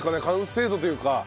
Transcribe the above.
完成度というか。